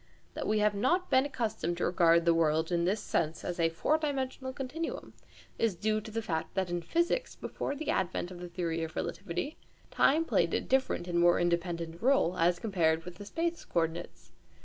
That we have not been accustomed to regard the world in this sense as a four dimensional continuum is due to the fact that in physics, before the advent of the theory of relativity, time played a different and more independent role, as compared with the space coordinates.